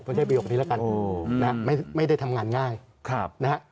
คุณชัดบิโยคนี้แล้วกันโอ้นะไม่ไม่ได้ทำงานง่ายครับนะฮะ